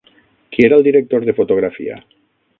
Qui era el director de fotografia?